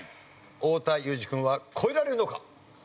太田裕二君は越えられるのか？